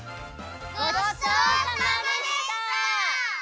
ごちそうさまでした！